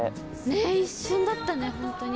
ねっ一瞬だったねホントに。